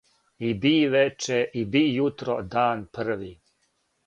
И би вече и би јутро, дан први.